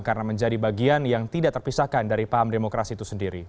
karena menjadi bagian yang tidak terpisahkan dari paham demokrasi itu sendiri